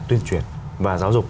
tuyên truyền và giáo dục